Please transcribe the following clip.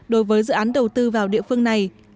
đối với dự án đầu tư vào địa phương này